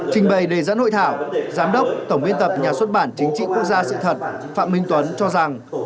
trình bày đề dẫn hội thảo giám đốc tổng biên tập nhà xuất bản chính trị quốc gia sự thật phạm minh tuấn cho rằng